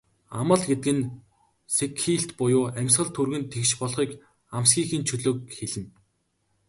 Амал гэдэг нь сэгхийлт буюу амьсгал түргэн тэгш болохыг, амсхийхийн чөлөөг хэлнэ.